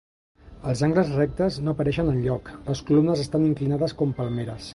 Els angles rectes no apareixen enlloc: les columnes estan inclinades com palmeres.